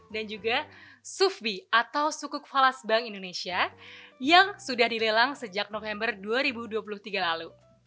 dan juga sufbi atau sukuk falas bank indonesia yang sudah dilelang sejak november dua ribu dua puluh tiga lalu